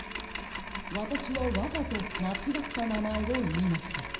わたしはわざとまちがったなまえをいいました。